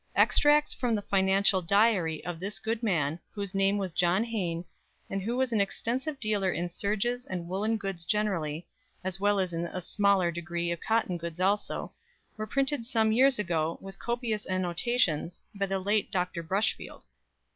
Extracts from the "Financial Diary" of this good man, whose name was John Hayne, and who was an extensive dealer in serges and woollen goods generally, as well as in a smaller degree of cotton goods also, were printed some years ago, with copious annotations, by the late Dr. Brushfield.